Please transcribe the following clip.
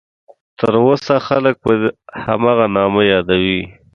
تر اوسه خلک په هماغه نامه یادوي.